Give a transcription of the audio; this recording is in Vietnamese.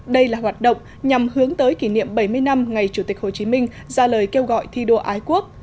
đây là hoạt động nhằm hướng tới kỷ niệm bảy mươi năm ngày chủ tịch hồ chí minh ra lời kêu gọi thi đua ái quốc